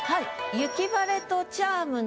「雪晴」と「チャーム」の。